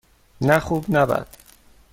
نه خوب - نه بد.